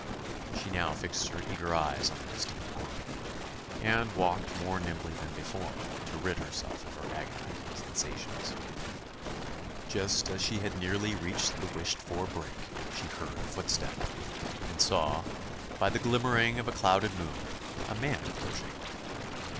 She now fixed her eager eyes on the distant pond, and walked more nimbly than before, to rid herself of her agonising sensations. Just as she had nearly reached the wished for brink, she heard a footstep, and saw, by the glimmering of a clouded moon, a man approaching.